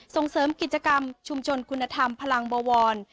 ส่งเสริมกิจกรรมชุมชนคุณธรรมพลังบวร